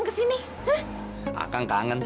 ntar mah ntar mah